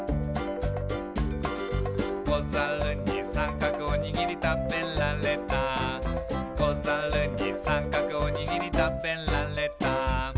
「こざるにさんかくおにぎりたべられた」「こざるにさんかくおにぎりたべられた」